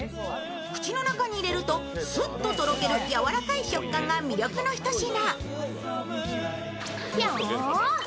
口の中に入れると、すっととろけるやわらかい食感が魅力の一品。